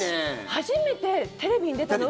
初めてテレビに出たのは。